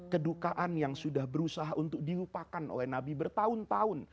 kedukaan yang sudah berusaha untuk dilupakan oleh nabi bertahun tahun